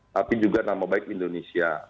tapi juga nama baik indonesia